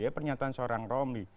pernyataan seorang romli